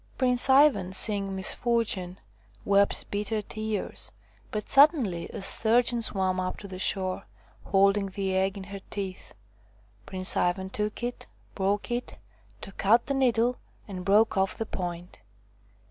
Prince Ivan, seeing misfortune, wept bitter tears ; but suddenly a sturgeon swam up to the shore holding the egg in her teeth. Prince Ivan took it, broke it, took out the needle, and broke off the point.